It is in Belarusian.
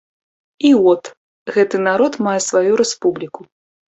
І от, гэты народ мае сваю рэспубліку.